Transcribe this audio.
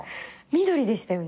緑でしたよね。